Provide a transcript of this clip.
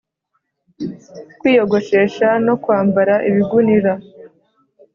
kwiyogoshesha no kwambara ibigunira,